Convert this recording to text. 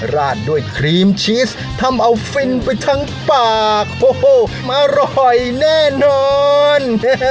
ราดด้วยครีมชีสทำเอาฟินไปทั้งปากโอ้โหอร่อยแน่นอน